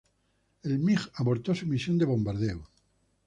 El MiG abortó su misión de bombardeo.